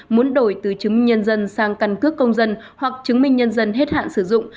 muốn đổi từ chứng minh nhân dân sang căn cước công dân hoặc chứng minh nhân dân hết hạn sử dụng